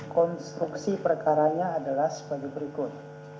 konstruksi perkaranya adalah sebagai berikut